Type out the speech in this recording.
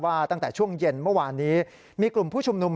ตั้งแต่ช่วงเย็นเมื่อวานนี้มีกลุ่มผู้ชุมนุม